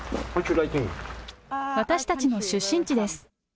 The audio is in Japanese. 私たちの出身地です。